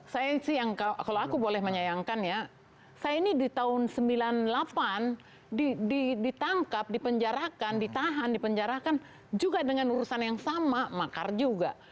saya sih yang kalau aku boleh menyayangkan ya saya ini di tahun seribu sembilan ratus sembilan puluh delapan ditangkap dipenjarakan ditahan dipenjarakan juga dengan urusan yang sama makar juga